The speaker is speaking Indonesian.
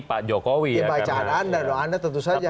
pak jokowi bacaan anda dong anda tentu saja